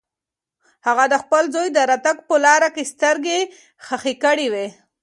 هغه د خپل زوی د راتګ په لاره کې سترګې خښې کړې وې.